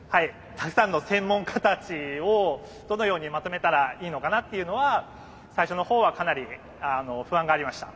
たくさんの専門家たちをどのようにまとめたらいいのかなっていうのは最初のほうはかなり不安がありました。